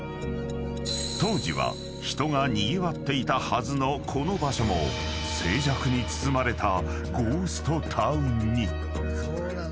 ［当時は人がにぎわっていたはずのこの場所も静寂に包まれた］